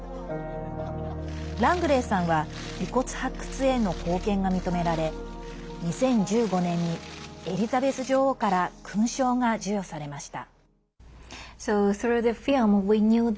ラングレーさんは遺骨発掘への貢献が認められ２０１５年にエリザベス女王から勲章が授与されました。